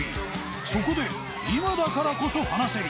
そこで今だからこそ話せる！